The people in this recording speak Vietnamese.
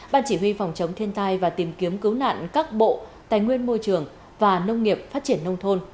ban chỉ huy phòng chống thiên tai và tìm kiếm cứu nạn các bộ tài nguyên môi trường và nông nghiệp phát triển nông thôn